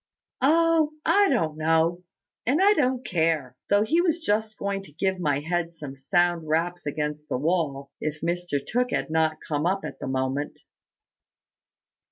"Oh, I don't know; and I don't care though he was just going to give my head some sound raps against the wall, if Mr Tooke had not come up at the moment."